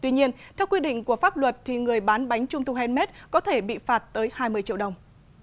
tuy nhiên theo quy định của pháp luật thì người bán bánh trung thu handmade có thể bị phạt tới hai mươi triệu đồng